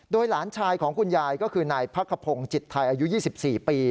โดยหลานชายของคุณยายก็คือนายพักขพงศ์จิตไทยอายุ๒๔ปี